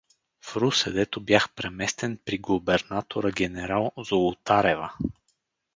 В Русе, дето бях преместен при губернатора генерал Золотарева.